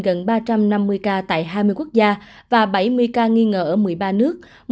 gần ba trăm năm mươi ca tại hai mươi quốc gia và bảy mươi ca nghi ngờ ở một mươi ba nước